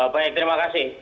baik terima kasih